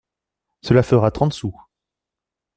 Cela fera trente sous.